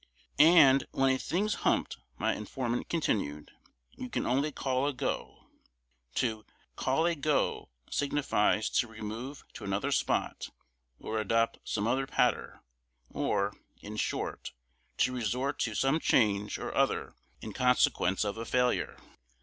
"And when a thing's humped," my informant continued, "you can only 'call a go.'" To 'call a go,' signifies to remove to another spot, or adopt some other patter, or, in short, to resort to some change or other in consequence of a failure.